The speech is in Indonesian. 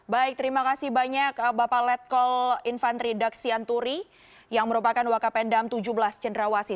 baik terima kasih banyak bapak letkol infan redaksi anturi yang merupakan wakab endam tujuh belas cenderawasi